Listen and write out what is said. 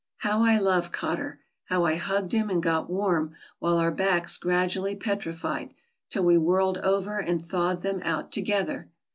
How I loved Cotter ! how I hugged him and got warm, while our backs gradually petrified, till we whirled over and thawed them out together!